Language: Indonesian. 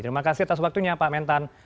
terima kasih atas waktunya pak mentan